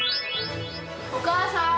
お母さん。